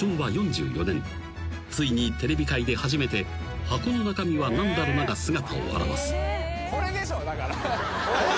［ついにテレビ界で初めて「箱の中身はなんだろな？」が姿を現す］